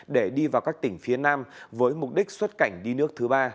để đi vào các tỉnh phía nam với mục đích xuất cảnh đi nước thứ ba